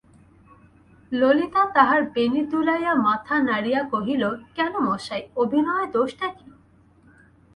ললিতা তাহার বেণী দুলাইয়া মাথা নাড়িয়া কহিল, কেন মশায়, অভিনয়ে দোষটা কী?